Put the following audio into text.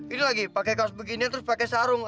ini lagi pake kaos beginian terus pake sarung